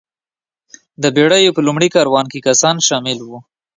د بېړیو په لومړي کاروان کې کسان شامل وو.